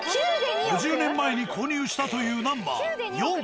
５０年前に購入したというナンバー４。